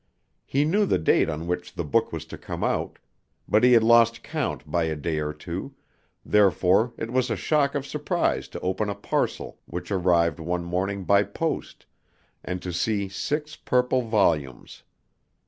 He knew the date on which the book was to come out, but he had lost count by a day or two, therefore it was a shock of surprise to open a parcel which arrived one morning by post, and to see six purple volumes.